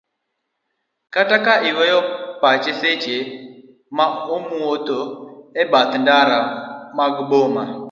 kata ka iweyo pache seche ma owuodho e bath ndara mag boma